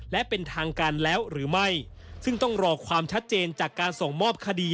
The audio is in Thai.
แล้วหรือไม่ซึ่งต้องรอกความชัดเจนจากการส่งมอบคดี